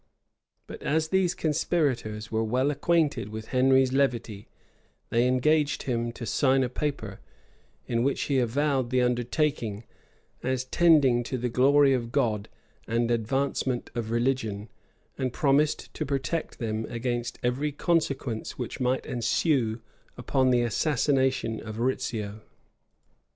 [] But as these conspirators were well acquainted with Henry's levity, they engaged him to sign a paper, in which he avowed the undertaking, as tending to the glory of God and advancement of religion, and promised to protect them against every consequence which might ensue upon the assassination of Rizzio.